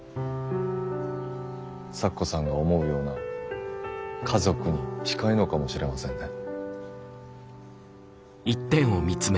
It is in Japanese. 咲子さんが思うような家族に近いのかもしれませんね。